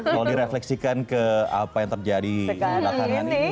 kalau direfleksikan ke apa yang terjadi di latar ini